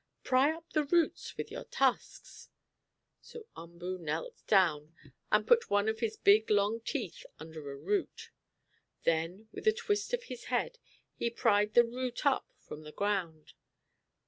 Pry up the roots with your tusks!" So Umboo knelt down and put one of his big long teeth under a root. Then with a twist of his head he pried the root up from the ground.